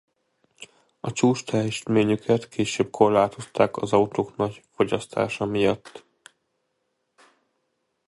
A csúcsteljesítményüket később korlátozták az autók nagy fogyasztása miatt.